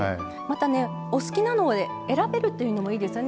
お好きなのを選べるというのもいいですよね。